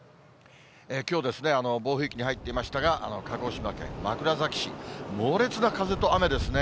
きょう、暴風域に入っていましたが、鹿児島県枕崎市、猛烈な風と雨ですね。